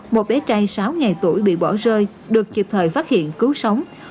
một bé trai sáu ngày tuổi bị bỏ rơi được kịp thời phát hiện cứu sống